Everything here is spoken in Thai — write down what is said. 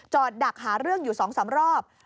ดักหาเรื่องอยู่๒๓รอบ